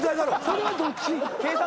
それはどっち？